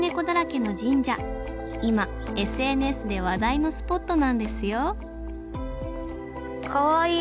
今ＳＮＳで話題のスポットなんですよかわいい！